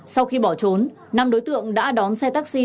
sau khi bỏ trốn năm đối tượng đã đón xe taxi